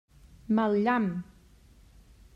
Mal llamp!